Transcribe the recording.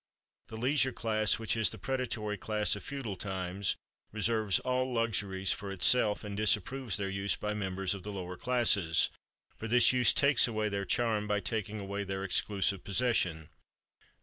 The leisure class, which is the predatory class of feudal times, reserves all luxuries for itself, and disapproves their use by members of the lower classes, for this use takes away their charm by taking away their exclusive possession.